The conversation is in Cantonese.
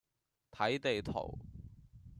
睇地圖